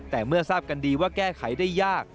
แต่เมื่อทราบกันดีว่าแก้ไขได้ยาก